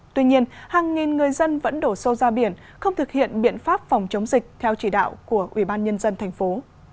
tuy nhiên hàng nghìn người dân vẫn đổ sâu ra biển không thực hiện biện pháp phòng chống dịch theo chỉ đạo của ubnd thành phố